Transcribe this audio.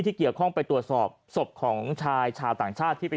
ที่เกี่ยวข้องไปตรวจสอบศพของชายชาวต่างชาติที่ไป